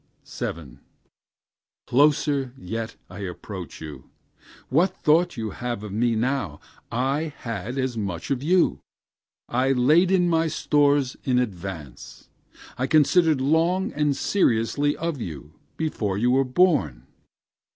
Closer yet I approach you: What thought you have of me, I had as much of you I laid in my stores in advance; I considered long and seriously of you before you were born.